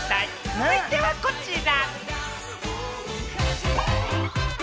続いてはこちら！